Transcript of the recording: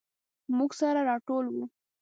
موږ سره راټول وو.